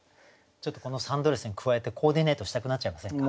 ちょっとこのサンドレスに加えてコーディネートしたくなっちゃいませんか？